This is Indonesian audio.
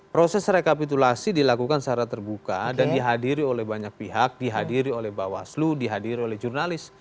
proses rekapitulasi dilakukan secara terbuka dan dihadiri oleh banyak pihak dihadiri oleh bawaslu dihadiri oleh jurnalis